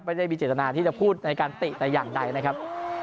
ไม่ได้มีเจตนาที่จะพูดในการเตะแต่อย่างใดนะครับ